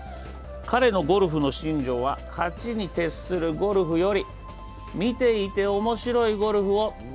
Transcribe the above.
関連のゴルフの信条は、価値に徹するゴルフ見ていて面白いゴルフを。